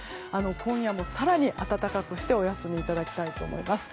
今夜も更に暖かくしてお休みいただきたいと思います。